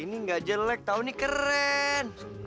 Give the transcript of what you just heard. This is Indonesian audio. ini nggak jelek tau ini keren